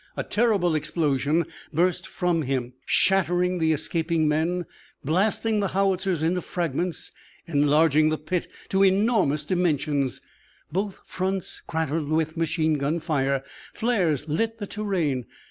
A terrible explosion burst from him, shattering the escaping men, blasting the howitzers into fragments, enlarging the pit to enormous dimensions. Both fronts clattered with machine gun fire. Flares lit the terrain.